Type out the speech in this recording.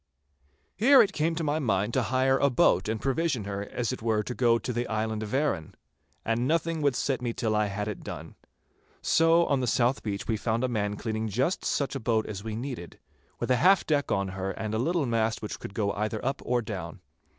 Here it came to my mind to hire a boat and provision her as it were to go to the island of Arran. And nothing would set me till I had it done. So on the south beach we found a man cleaning just such a boat as we needed, with a half deck on her and a little mast which would go either up or down.